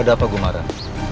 kenapa gue marah